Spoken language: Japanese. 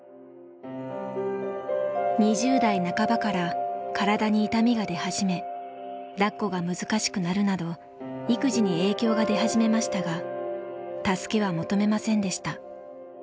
２０代半ばから体に痛みが出始めだっこが難しくなるなど育児に影響が出始めましたが助けは求めませんでした。